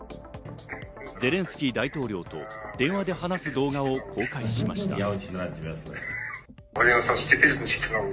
ゼレンスキー大統領と電話で話す動画を公開しました。